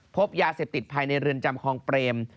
พบยาเสพติดภายในเรือนจำคลองเปรม